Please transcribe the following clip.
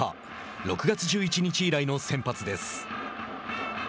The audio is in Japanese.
６月１１日以来の先発です。